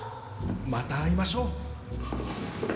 また会いましょう。